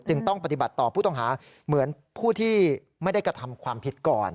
ต้องปฏิบัติต่อผู้ต้องหาเหมือนผู้ที่ไม่ได้กระทำความผิดก่อน